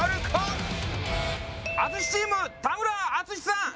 淳チーム田村淳さん